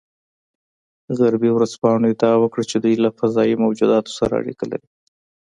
غربي ورځپاڼو ادعا وکړه چې دوی له فضايي موجوداتو سره اړیکه لري